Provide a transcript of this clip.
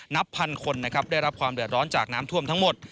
นับพันคนนะครับได้รับความเดือดร้อนจากน้ำท่วมทั้งหมด